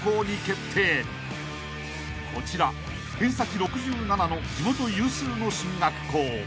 ［こちら偏差値６７の地元有数の進学校］